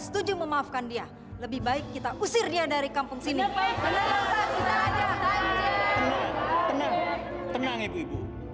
tenang tenang ibu ibu